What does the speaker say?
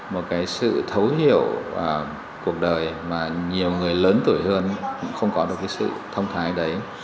một cái sự thấu hiểu cuộc đời mà nhiều người lớn tuổi hơn cũng không có được cái sự thông thái đấy